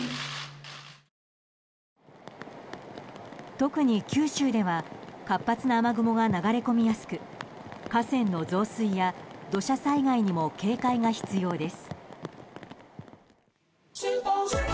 特に九州では活発な雨雲が流れ込みやすく河川の増水や土砂災害にも警戒が必要です。